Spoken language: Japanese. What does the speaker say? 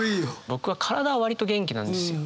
僕は体は割と元気なんですよ。